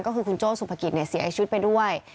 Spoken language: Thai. ก็คือคุณโจ้สุภกิจเสียชีวิตไปด้วย